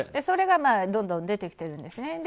それがどんどん出てきているんですね。